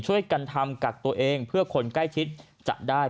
ช่วยกันทำกักตัวเองเพื่อคนใกล้ชิดจะได้